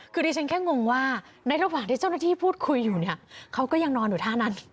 คือดิฉันแค่งงว่าในระหว่างที่เจ้าหน้าที่พูดคุยอยู่เนี่ยเขาก็ยังนอนอยู่ท่านั้น